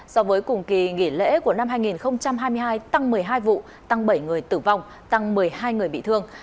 so với cùng kỳ nghỉ lễ của năm hai nghìn hai mươi hai tăng một mươi hai vụ tăng bảy người tử vong tăng một mươi hai người bị thương